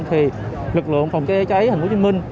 thì lực lượng phòng trái trở trái tp hcm